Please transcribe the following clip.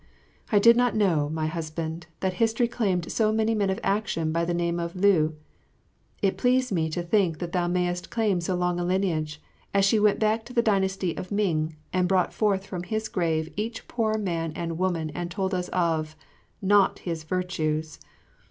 I did not know, my husband, that history claimed so many men of action by the name of Liu. It pleased me to think thou mayest claim so long a lineage, as she went back to the dynasty of Ming and brought forth from his grave each poor man and woman and told us of not his virtues.